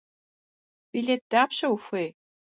Билет дапщэ ухуей?